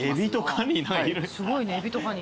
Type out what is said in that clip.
すごいねエビとカニ。